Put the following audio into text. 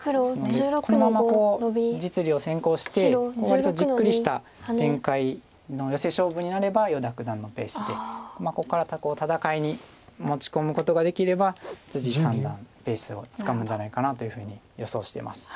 割とじっくりした展開のヨセ勝負になれば依田九段のペースでここから戦いに持ち込むことができれば三段ペースをつかむんじゃないかなというふうに予想してます。